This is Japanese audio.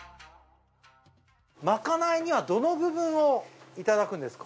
まかないにはどの部分をいただくんですか？